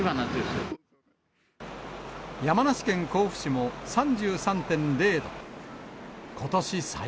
山梨県甲府市も３３．０度。